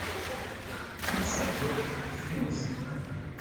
Toute sa coque frémissait.